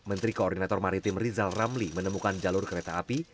menteri koordinator maritim rizal ramli menemukan jalur kereta api